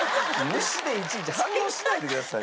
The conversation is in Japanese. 虫でいちいち反応しないでください。